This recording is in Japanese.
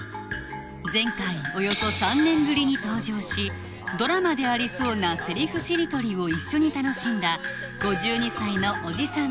前回およそ３年ぶりに登場し「ドラマでありそうなセリフしりとり」を一緒に楽しんだ５２歳のおじさん